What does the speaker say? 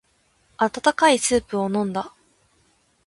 温かいスープを飲んだ。